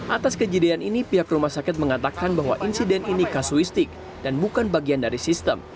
atas kejadian ini pihak rumah sakit mengatakan bahwa insiden ini kasuistik dan bukan bagian dari sistem